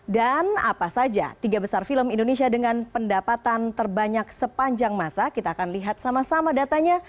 dan apa saja tiga besar film indonesia dengan pendapatan terbanyak sepanjang masa kita akan lihat sama sama datanya